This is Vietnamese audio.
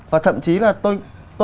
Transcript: và thậm chí là tôi